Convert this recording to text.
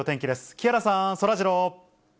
木原さん、そらジロー。